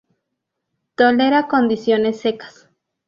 Tolera condiciones secas.